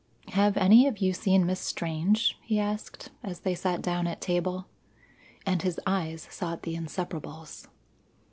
"Have any of you seen Miss Strange?" he asked, as they sat down at table. And his eyes sought the Inseparables.